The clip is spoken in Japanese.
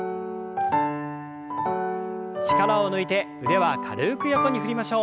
力を抜いて腕は軽く横に振りましょう。